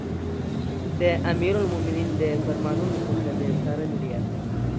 د امیرالمؤمنین د فرمانونو څخه د څارنې ریاست